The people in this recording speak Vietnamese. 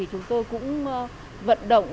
chúng tôi cũng vận động